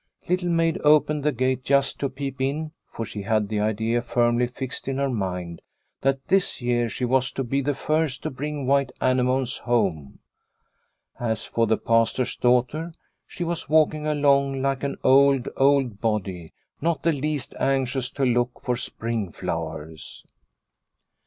Little Maid opened the gate just to peep in, for she had the idea firmly fixed in her mind that this year she was to be the first to bring white anemones home. As for the Pastor's daughter, she was walking along like an old, old body, not the least anxious to look for spring flowers.